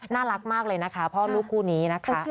น่ารักมากเลยนะคะพ่อลูกคู่นี้นะคะ